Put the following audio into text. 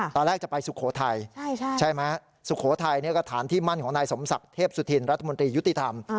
ตอนแรกจะไปสุโขทัยใช่ไหมสุโขทัยก็ฐานที่มั่นของนายสมศักดิ์เทพสุธินรัฐมนตรียุติธรรม